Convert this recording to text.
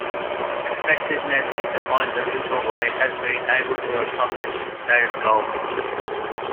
Effectiveness, is defined the usual way: as being able to accomplish stated goals.